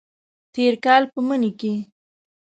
تیر کال په مني کې